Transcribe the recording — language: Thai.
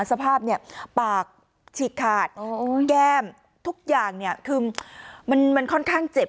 สภาพเนี่ยปากฉีกขาดแก้มทุกอย่างเนี่ยคือมันค่อนข้างเจ็บ